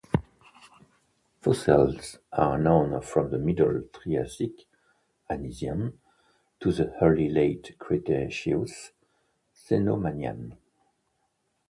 Fossils are known from the Middle Triassic (Anisian) to the early Late Cretaceous (Cenomanian).